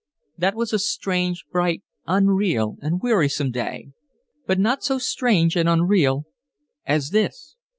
That was a strange, bright, unreal, and wearisome day, but not so strange and unreal as this."